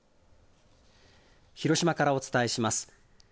広島からお伝えします。